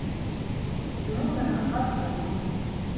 Шуның менән хат тамам.